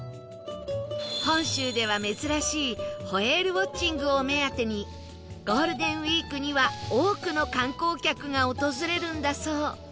本州では珍しいホエールウォッチングを目当てにゴールデンウィークには多くの観光客が訪れるんだそう